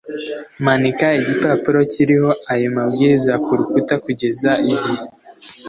Manika igipapuro kiriho ayo mabwiriza ku rukuta kugeza igihe